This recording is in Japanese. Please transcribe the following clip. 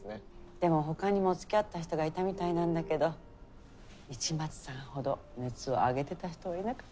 でもほかにもつきあった人がいたみたいなんだけど市松さんほど熱を上げてた人はいなかった。